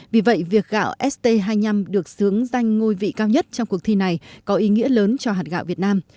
vì vậy việc gạo st hai mươi năm được xướng danh ngôi vị cao nhất trong cuộc thi này có ý nghĩa lớn cho hạt gạo việt nam